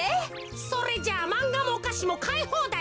それじゃあまんがもおかしもかいほうだいだな。